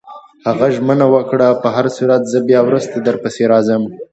هغه ژمنه وکړه: په هرصورت، زه بیا وروسته درپسې راځم.